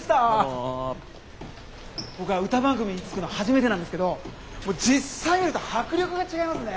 僕は歌番組に就くの初めてなんですけど実際見ると迫力が違いますね！